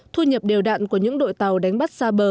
thu nhập đều đạn của những đội tàu đánh bắt xa bờ